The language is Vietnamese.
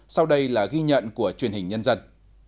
sau đây là ghi nhận của truyền hình nhân dân